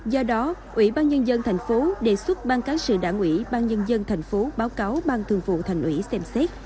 do đó ủy ban nhân dân tp hcm đề xuất ban cán sự đảng ủy ban nhân dân tp hcm báo cáo ban thường vụ thành ủy xem xét